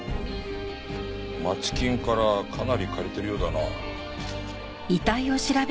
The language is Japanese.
マチ金からかなり借りてるようだな。